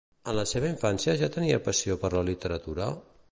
En la seva infància ja tenia passió per la literatura?